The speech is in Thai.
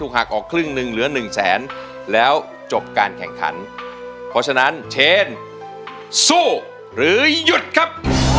การแข่งขันเพราะฉะนั้นเชนสู้หรือหยุดครับ